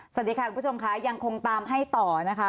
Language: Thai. สวัสดีค่ะคุณผู้ชมค่ะยังคงตามให้ต่อนะคะ